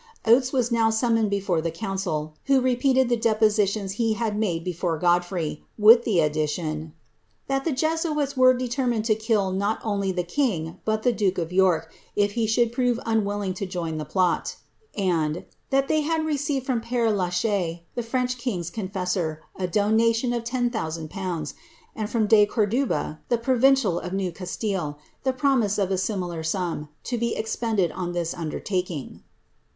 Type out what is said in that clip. Oates was now summoned before the connciL who repeated the depositions he had made before Godfrey, with the addition, ^ that the Jesuits were determined to kill, not only the kinf. but the duke of York, if he should prove unwilling to join the plot;" and ^ that they had received from Pere la Chaise, the French kiog^ confrssor, a donation of 10,000/., and from De Corduba, tlie provincial j of New Ca.<«tile, the promise of a similar sum, to be expended on thii ; undertaking."'